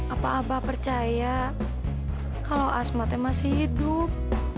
apa abah percaya kalau asmatnya masih hidup